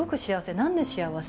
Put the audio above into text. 何で幸せ？